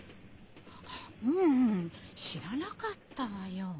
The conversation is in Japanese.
ううん知らなかったわよ。